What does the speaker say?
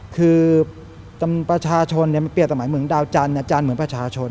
คือประชาชนเปรียบสมัยเหมือนดาวจันทร์จันทร์เหมือนประชาชน